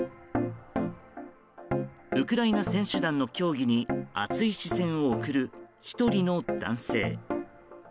ウクライナ選手団の競技に熱い視線を送る１人の男性。